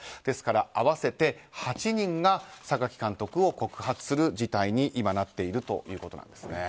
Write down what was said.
ですから、合わせて８人が榊監督を告発する事態に今なっているということです。